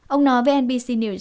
ông nói với nbc news